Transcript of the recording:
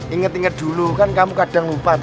ingat ingat dulu kan kamu kadang lupa